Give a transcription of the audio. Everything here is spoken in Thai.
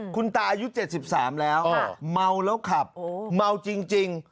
คุณตาอายุ๗๓แล้วเมาแล้วขับเมาจริง